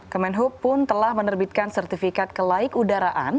kemenhub pun telah menerbitkan sertifikat kelaik udaraan